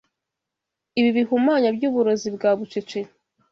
ibi bihumanya by’uburozi bwa bucece